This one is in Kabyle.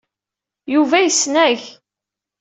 Yuba yesnag.